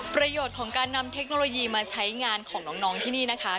ประโยชน์ของการนำเทคโนโลยีมาใช้งานของน้องที่นี่นะคะ